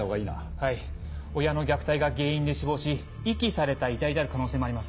はい親の虐待が原因で死亡し遺棄された遺体である可能性もあります。